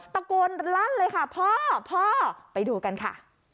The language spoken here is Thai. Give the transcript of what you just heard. ตะโกนลั่นเลยค่ะพ่อพ่อไปดูกันค่ะ